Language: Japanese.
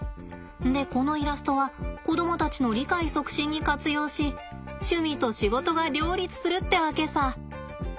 でこのイラストは子供たちの理解促進に活用し趣味と仕事が両立するってわけさ。